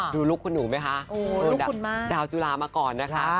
ลุคคุณหนูไหมคะดาวจุลามาก่อนนะคะ